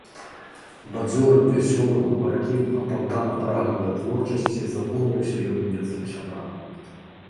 Бадзёрым, вясёлым, гаваркім, апантана прагным да творчасці запомніўся ён менскім сябрам.